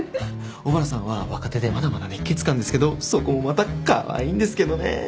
小原さんは若手でまだまだ熱血漢ですけどそこもまたかわいいんですけどね。